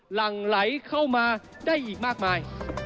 หลังไหลเข้ามาได้อีกมากมาย